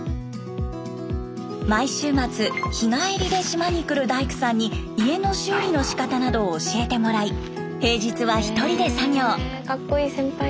毎週末日帰りで島に来る大工さんに家の修理のしかたなどを教えてもらい平日は１人で作業。